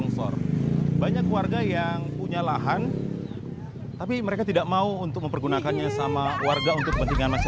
dan yang penting udah gak boceng ke lagi